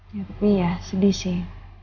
ya tapi ya sedih sih